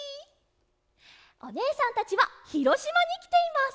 おねえさんたちはひろしまにきています！